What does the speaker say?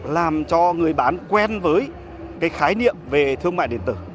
làm cho người bán quen với cái khái niệm về thương mại điện tử